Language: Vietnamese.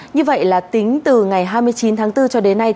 như vậy là tính từ ngày hai mươi chín tháng bốn cho đến nay